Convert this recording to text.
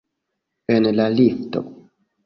En la lifto.